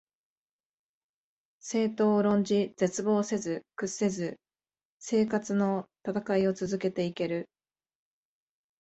政党を論じ、絶望せず、屈せず生活のたたかいを続けて行ける